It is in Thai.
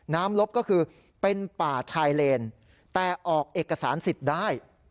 ลบก็คือเป็นป่าชายเลนแต่ออกเอกสารสิทธิ์ได้